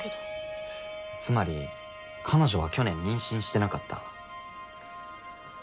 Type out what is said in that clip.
つまり彼女は去年妊娠してなかった。